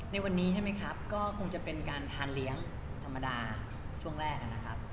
ในวันนี้ใช่ไหมครับก็คงจะเป็นการทานเลี้ยงธรรมดาช่วงแรกนะครับ